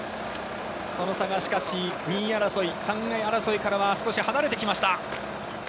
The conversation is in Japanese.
その差がしかし、２位争い３位争いからは少し離れてきました。